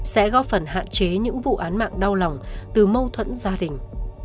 sẽ góp phần hạn chế những vụ án mạng đau lòng từ mâu thuẫn gia đình